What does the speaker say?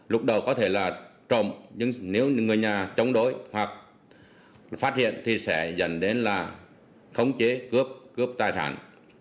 lúc đầu có thể là trộm nhưng nếu người nhà chống đối hoặc phát hiện thì sẽ dẫn đến là khống chế cướp cướp tài sản